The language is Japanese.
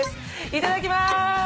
いただきます。